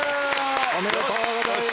おめでとうございます！